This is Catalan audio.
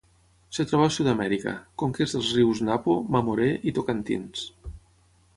Es troba a Sud-amèrica: conques dels rius Napo, Mamoré i Tocantins.